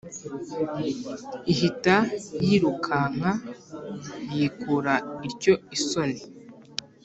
ihita yirukanka yikura ityo isonni.